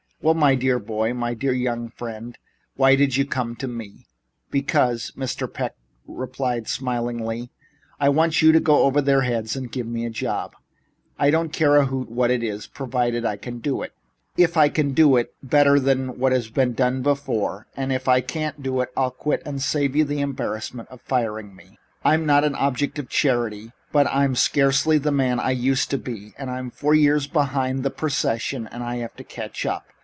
"Well, my dear boy my dear young friend! Why do you come to me?" "Because," Mr. Peck replied smilingly, "I want you to go over their heads and give me a job. I don't care a hoot what it is, provided I can do it. If I can do it, I'll do it better than it was ever done before, and if I can't do that I'll quit to save you the embarrassment of firing me. I'm not an object of charity, but I'm scarcely the man I used to be and I'm four years behind the procession and have to catch up.